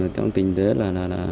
trong tình thế là